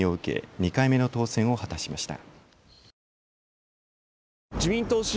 ２回目の当選を果たしました。